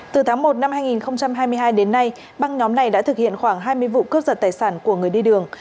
từ tháng một năm hai nghìn hai mươi hai đến nay băng nhóm này đã thực hiện khoảng hai mươi vụ cướp giật tài sản của người đi đường